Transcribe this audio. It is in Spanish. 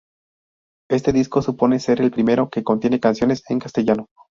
Este disco supone ser el primero que contiene canciones en castellano.